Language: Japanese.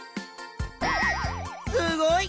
すごい！